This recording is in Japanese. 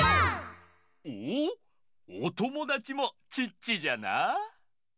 おおおともだちもチッチじゃな。